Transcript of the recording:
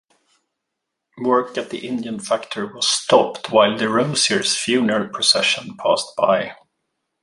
Work at the Indian factory was stopped while DeRosier's funeral procession passed by.